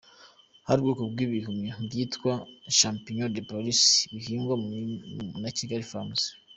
Hari ubwoko bw’ibihumyo bwitwa ‘Champignons de Paris’ bihingwa na Kigali Farms.